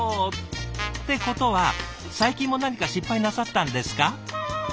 ってことは最近も何か失敗なさったんですか？